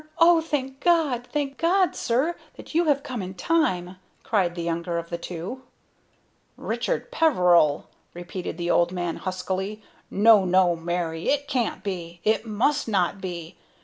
Oh, thank God! Thank God, sir, that you have come in time!" cried the younger of the two. "Richard Peveril?" repeated the old man, huskily. "No, no, Mary! It can't be! It must not be!